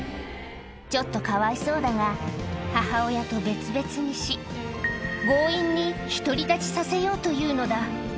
ちょっとかわいそうだが、母親と別々にし、強引に独り立ちさせようというのだ。